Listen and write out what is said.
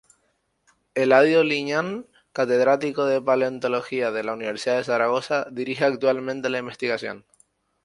Eladio Liñán, catedrático de Paleontología de la Universidad de Zaragoza, dirige actualmente la investigación.